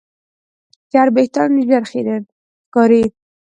چرب وېښتيان ژر خیرن ښکاري.